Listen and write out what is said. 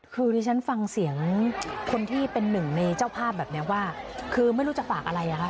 คือที่ฉันฟังเสียงคนที่เป็นหนึ่งในเจ้าภาพแบบนี้ว่าคือไม่รู้จะฝากอะไรอ่ะคะ